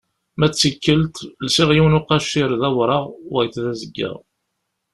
Ma d tikkelt, lsiɣ yiwen uqaciṛ d awraɣ, wayeḍ d azeggaɣ.